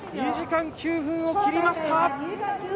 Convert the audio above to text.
２時間９分を切りました。